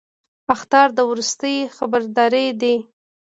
اخطار د وروستي خبرداری دی